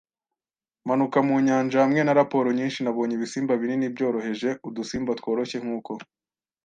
manuka mu nyanja hamwe na raporo nyinshi Nabonye ibisimba binini byoroheje - udusimba tworoshye, nkuko